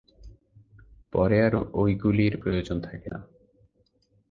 পরে আর ঐগুলির প্রয়োজন থাকে না।